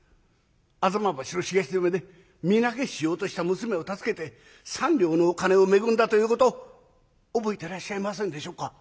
吾妻橋の東詰で身投げしようとした娘を助けて３両のお金を恵んだということ覚えてらっしゃいませんでしょうか？」。